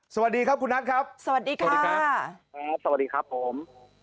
สวัสดีครับคุณนัทครับสวัสดีค่ะสวัสดีครับผม